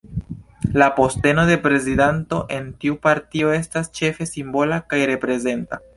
La posteno de prezidanto en tiu partio estas ĉefe simbola kaj reprezenta.